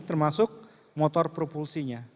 termasuk motor propulsinya